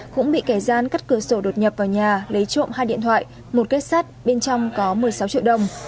cũng bị kẻ gian cắt cửa sổ đột nhập vào nhà lấy trộm hai điện thoại một kết sắt bên trong có một mươi sáu triệu đồng